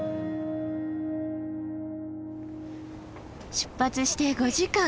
出発して５時間。